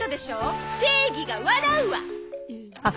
正義が笑うわ！